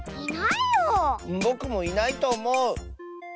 ぼくもいないとおもう。